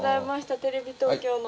テレビ東京の。